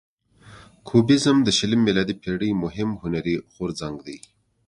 کوبیزم د شلمې میلادي پیړۍ مهم هنري غورځنګ دی.